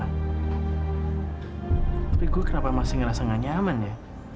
tapi gua kenapa masih ngerasa nggak nyaman ya